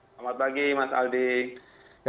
selamat pagi mas aldi